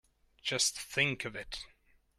Just think of it!